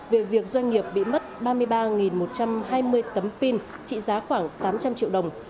về việc doanh nghiệp bị mất ba mươi ba một trăm hai mươi tấm pin trị giá khoảng tám trăm linh triệu đồng